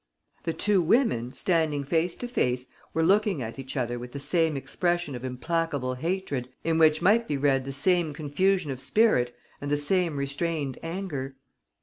The two women, standing face to face, were looking at each other with the same expression of implacable hatred, in which might be read the same confusion of spirit and the same restrained anger.